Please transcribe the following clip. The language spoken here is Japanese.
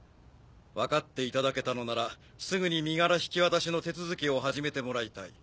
分かっていただけたのならすぐに身柄引き渡しの手続きを始めてもらいたい。